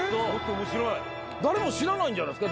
誰も知らないんじゃないですか。